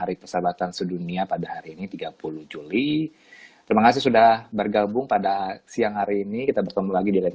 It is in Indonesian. atas waktunya semoga sehat selalu